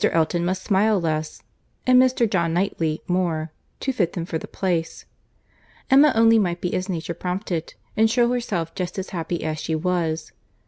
Elton must smile less, and Mr. John Knightley more, to fit them for the place.—Emma only might be as nature prompted, and shew herself just as happy as she was.